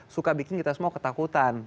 suka bikin kita semua ketakutan